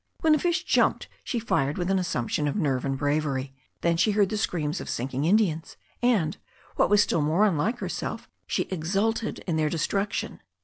When a fish jumped she fired with an assumption of nerve and bravery, then she heard the screams of sinking Indians, and, what was still more unlike herself, she exulted in their destructicm.